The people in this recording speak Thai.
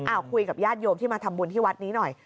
เอาคุยกับญาติโยมที่มาทำบุญที่วัดนี้หน่อย